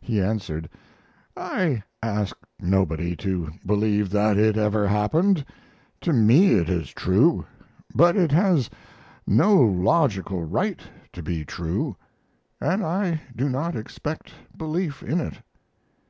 He answered: "I ask nobody to believe that it ever happened. To me it is true; but it has no logical right to be true, and I do not expect belief in it."